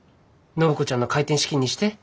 暢子ちゃんの開店資金にして。